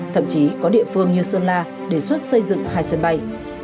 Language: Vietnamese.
thậm chí có địa phương như sơn la đề xuất xây dựng hai sân bay